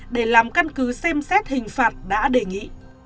để làm căn cứ xem xét hình phạt đã đề nghị